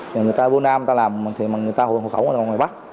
người ta vô nam người ta làm mà người ta hộ khẩu ở ngoài bắc